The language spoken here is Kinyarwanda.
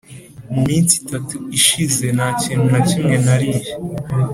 mu minsi itatu ishize nta kintu na kimwe nariye.